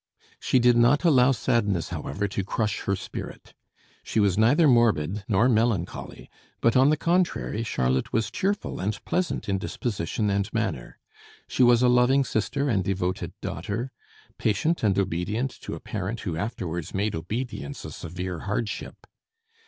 She did not allow sadness, however, to crush her spirit. She was neither morbid nor melancholy, but on the contrary Charlotte was cheerful and pleasant in disposition and manner. She was a loving sister and devoted daughter, patient and obedient to a parent who afterwards made obedience a severe hardship.